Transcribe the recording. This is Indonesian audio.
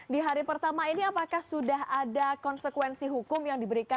di hari pertama ini apakah sudah ada konsekuensi hukum yang diberikan